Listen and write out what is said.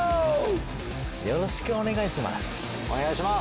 よろしくお願いします。